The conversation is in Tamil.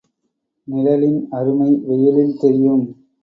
நிழலின் அருமை வெயிலில் தெரியும்.